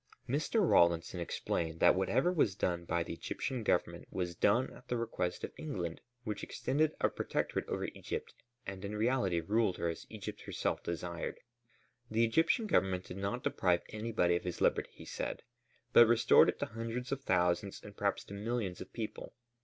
Mr. Rawlinson explained that whatever was done by the Egyptian Government was done at the request of England which extended a protectorate over Egypt and in reality ruled her as Egypt herself desired. "The Egyptian Government did not deprive anybody of his liberty," he said, "but restored it to hundreds of thousands and perhaps to millions of people.